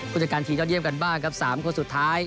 ผู้จัดการทีมยอดเยี่ยมกันบ้างครับ๓คนสุดท้าย